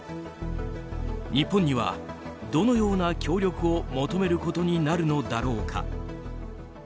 日本には、どのような協力を求めることになるのだろうか。